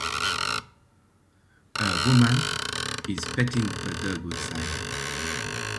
A woman is petting a dog outside.